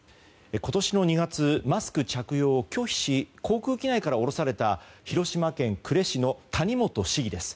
今年の２月、マスク着用を拒否し航空機内から降ろされた広島県呉市の谷本市議です。